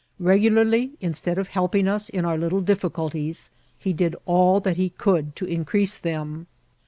Regularly, instead of helping us in our little difficulties, he did all that he could to increase them.